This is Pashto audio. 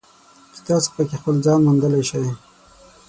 چې تاسو پکې خپل ځان موندلی شئ.